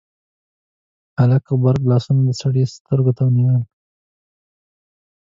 هلک غبرګ لاسونه د سړي سترګو ته ونيول: